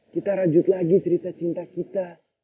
kita rajut lagi cerita cinta kita